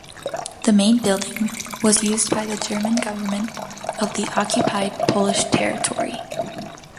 The main building was used by the German government of the occupied Polish territory.